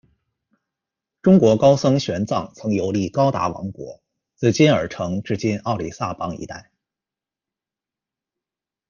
中国高僧玄奘曾游历高达王国，自金耳城至今奥里萨邦一带。